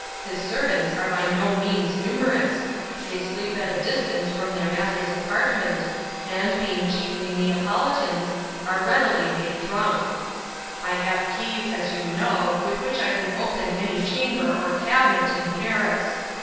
His servants are by no means numerous. They sleep at a distance from their master's apartment, and, being chiefly Neapolitans, are readily made drunk. I have keys, as you know, with which I can open any chamber or cabinet in Paris.